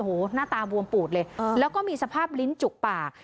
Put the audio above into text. โอ้โหหน้าตาบวมปูดเลยแล้วก็มีสภาพลิ้นจุกปาก